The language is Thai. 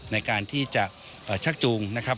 ในการที่จะชักจูงนะครับ